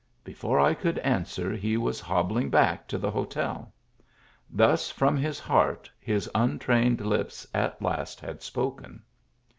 Before I could answer he was hobbling back to the hotel. Thus from his heart his untrained lips at last had spoken.